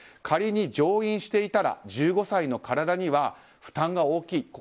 仮に常飲していたら１５歳の体には負担が大きい。